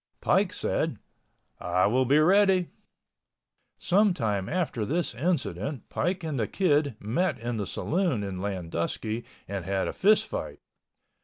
Pike said, "I will be ready." Some time after this incident Pike and the Kid met in the saloon in Landusky and had a fist fight.